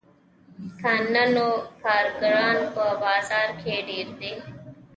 که نه نو کارګران په بازار کې ډېر دي